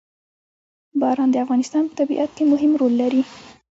باران د افغانستان په طبیعت کې مهم رول لري.